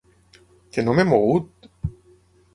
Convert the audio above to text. Que no m'he mogut!